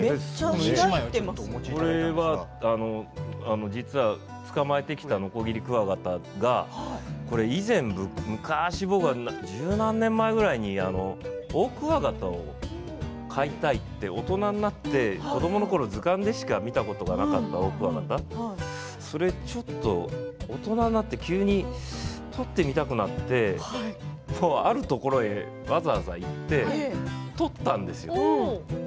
これは捕まえてきたノコギリクワガタが昔、十何年ぐらい前にオオクワガタを飼いたいって大人になって、子どものころ図鑑でしか見たことがなかったクワガタそれを大人になって急に取ってみたくなってあるところへわざわざ行って取ったんですよ。